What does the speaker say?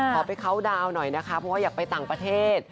ขอไปเข้าดาวน์หน่อยนะคะเพราะว่าอยากไปต่างประเทศ